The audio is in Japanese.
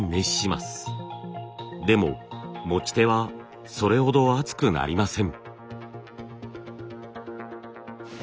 でも持ち手はそれほど熱くなりません。